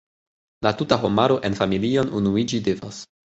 La tuta homaro en familion unuiĝi devas.